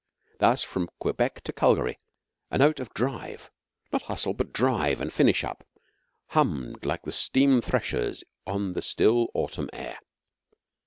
Thus, from Quebec to Calgary a note of drive not hustle, but drive and finish up hummed like the steam threshers on the still, autumn air.